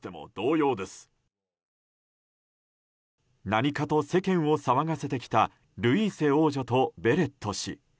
何かと世間を騒がせてきたルイーセ王女とベレット氏。